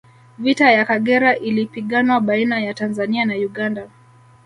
vita ya Kagera ilipiganwa baina ya tanzania na uganda